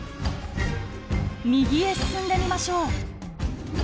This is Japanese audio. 右へ進んでみましょう。